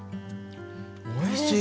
おいしい！